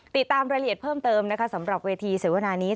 ติดตามรายละเอียดเพิ่มเติมนะคะสำหรับเวทีเสวนารับฟังความคิดเห็น